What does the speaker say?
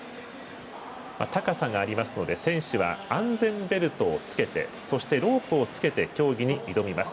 高さがありますので選手は安全ベルトをつけてそして、ロープをつけて競技に挑みます。